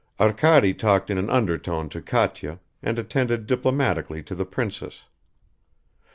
Arkady talked in an undertone to Katya, and attended diplomatically to the princess.